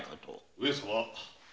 ・上様。